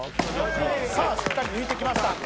しっかり抜いてきました。